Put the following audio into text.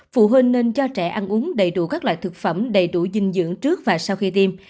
phụ huynh nên cho trẻ ăn uống đầy đủ các loại thực phẩm đầy đủ dinh dưỡng trước và sau khi tiêm